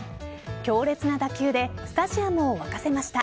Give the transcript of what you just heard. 強烈な打球でスタジアムを沸かせました。